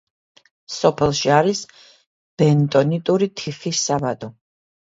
სოფელში არის ბენტონიტური თიხის საბადო.